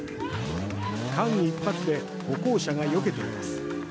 間一髪で歩行者がよけています。